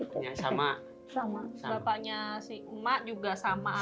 bapaknya si emak juga sama